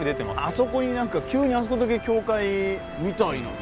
あそこに何か急にあそこだけ教会みたいな。